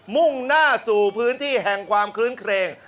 มุ่งหน้าสู่พื้นที่แห่งความคลื้นเครง